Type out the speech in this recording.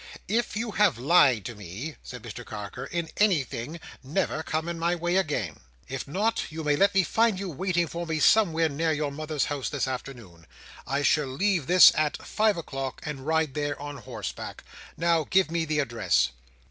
"If you have lied to me," said Mr Carker, "in anything, never come in my way again. If not, you may let me find you waiting for me somewhere near your mother's house this afternoon. I shall leave this at five o'clock, and ride there on horseback. Now, give me the address."